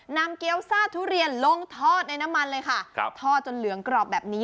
เกี้ยวซ่าทุเรียนลงทอดในน้ำมันเลยค่ะครับทอดจนเหลืองกรอบแบบนี้